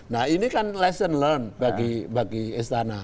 nah ini kan lesson learned bagi istana